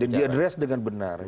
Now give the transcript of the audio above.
dan diadres dengan benar